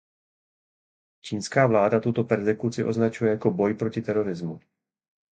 Čínská vláda tuto perzekuci označuje jako boj proti terorismu.